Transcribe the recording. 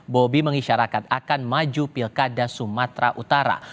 bobi mengisyarakan akan maju pilkada sumatra utara